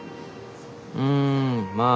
うんまあ